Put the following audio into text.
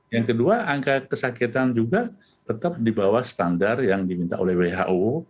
yang kedua angka kesakitan juga tetap di bawah standar yang diminta oleh who